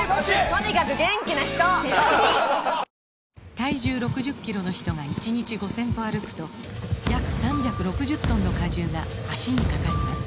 体重６０キロの人が１日５０００歩歩くと約３６０トンの荷重が脚にかかります